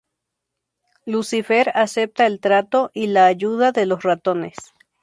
Lucifer acepta el trato y la ayuda de los ratones.